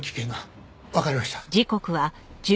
わかりました。